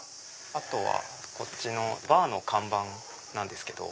あとはこっちのバーの看板なんですけど。